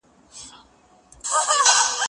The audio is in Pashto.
زه به د کتابتون د کار مرسته کړې وي!.